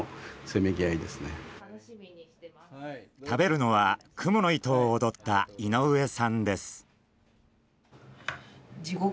食べるのは「蜘蛛の糸」を踊った井上さんです。